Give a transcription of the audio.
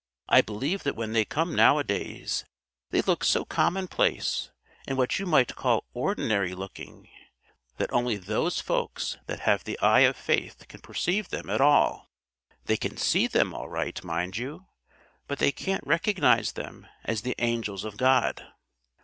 I believe that when they come nowadays they look so commonplace and what you might call ordinary looking, that only those folks that have the eye of faith can perceive them at all. They can see them all right, mind you! But they can't recognise them as the angels of God."